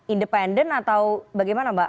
independen atau bagaimana mbak